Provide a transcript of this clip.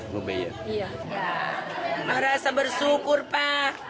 saya rasa bersyukur pak